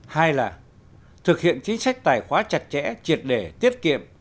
hai là thực hiện chính sách tài khóa chặt chẽ triệt để tiết kiệm